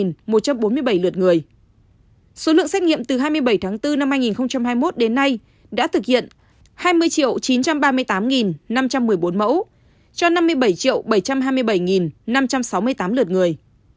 số lượng xét nghiệm từ hai mươi bảy tháng bốn năm hai nghìn hai mươi một đến nay đã thực hiện hai mươi chín trăm ba mươi tám năm trăm một mươi bốn mẫu cho năm mươi bảy bảy trăm hai mươi bảy năm trăm sáu mươi tám lượt người